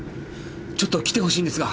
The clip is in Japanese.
ちょっと来て欲しいんですが。